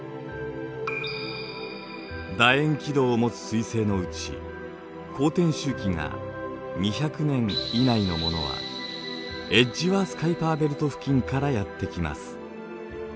だ円軌道をもつ彗星のうち公転周期が２００年以内のものはエッジワース・カイパーベルト付近からやって来ます。